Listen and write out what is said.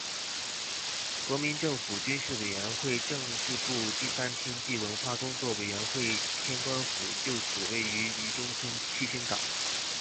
国民政府军事委员会政治部第三厅暨文化工作委员会天官府旧址位于渝中区七星岗。